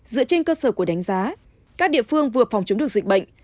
dựa trên cơ sở của đánh giá các địa phương vừa phòng chống được dịch bệnh